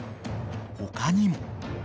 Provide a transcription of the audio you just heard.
［他にも］